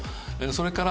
それから。